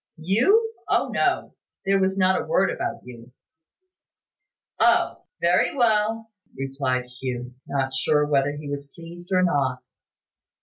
"You! O no! There was not a word about you." "O! Very well!" replied Hugh, not sure whether he was pleased or not.